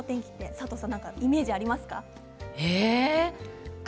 佐藤さんイメージありますか？